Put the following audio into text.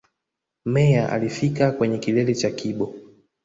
Meyer alifika kwenye kilele cha Kibo